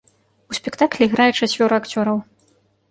У спектаклі іграе чацвёра акцёраў.